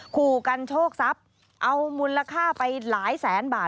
ขู่กันโชคทรัพย์เอามูลค่าไปหลายแสนบาท